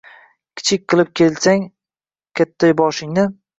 Kichik qilib kelsang katta boshingni